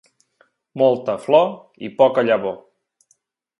Molta flor i poca llavor.